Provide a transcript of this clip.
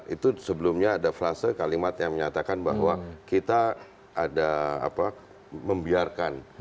itu sebelumnya ada flase kalimat yang menyatakan bahwa kita ada membiarkan